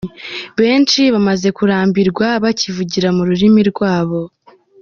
Benshi bamaze kurambirwa bakivugira mu rurimi rwabo.